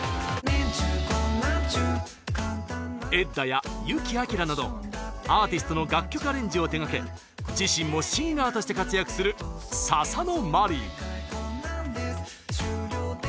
ｅｄｄａや湯木慧などアーティストの楽曲アレンジを手がけ自身もシンガーとして活躍するササノマリイ。